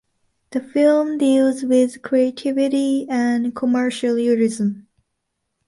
The film deals with creativity and commercialism.